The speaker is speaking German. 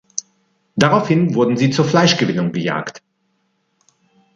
Daraufhin wurden sie zur Fleischgewinnung gejagt.